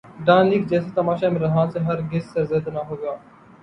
Dawn leaks جیسا تماشا عمران خان سے ہر گز سرزد نہ ہوگا۔